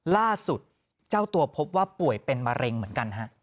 ล่าสุดเจ้าตัวพบว่าป่วยเป็นมะเร็งเหมือนกันฮะ